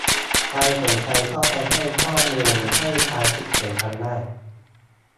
ใครสนใจก็ไปให้ข้อมูลให้ความเห็นกันได้